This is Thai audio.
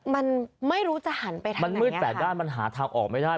มันไม่รู้จะหันไปทางไหนมันมืดแต่ด้านมันหาทางออกไม่ได้